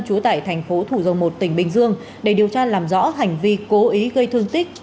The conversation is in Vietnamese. trú tại thành phố thủ dầu một tỉnh bình dương để điều tra làm rõ hành vi cố ý gây thương tích